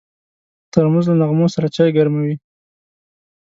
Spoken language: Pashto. ترموز له نغمو سره چای ګرموي.